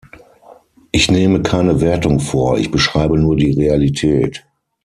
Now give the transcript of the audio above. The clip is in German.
Ich nehme keine Wertung vor, ich beschreibe nur die Realität.